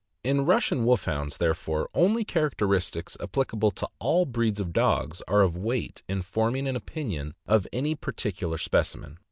In Russian Wolfhounds, therefore, only charac teristics applicable to all breeds of dogs are of weight in forming an opinion of any particular specimen.